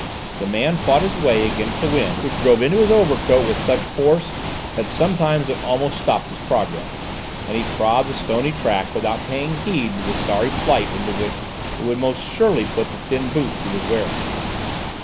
The man fought his way against the wind, which drove into his overcoat with such force that sometimes it almost stopped his progress, and he trod the stony track without paying heed to the sorry plight into which it would most surely put the thin boots he was wearing.